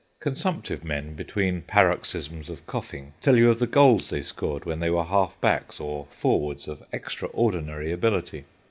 Consumptive men, between paroxysms of coughing, tell you of the goals they scored when they were half backs or forwards of extraordinary ability.